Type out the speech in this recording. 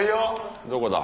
どこだ？